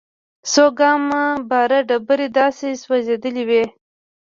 څو ګامه بره ډبرې داسې سوځېدلې وې.